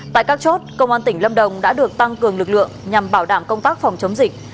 tại các chốt công an tỉnh lâm đồng đã được tăng cường lực lượng nhằm bảo đảm công tác phòng chống dịch